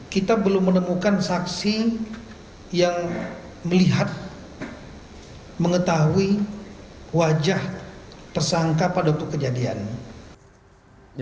kita belum menemukan saksi yang melihat mengetahui wajah tersangka pada waktu kejadian